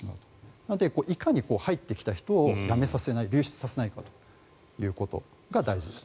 なので、いかに入ってきた人を辞めさせない、流出させないかということが大事です。